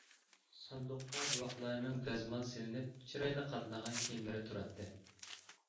ساندۇقتا بوۋاقلارنىڭ دەزمال سېلىنىپ، چىرايلىق قاتلانغان كىيىملىرى تۇراتتى.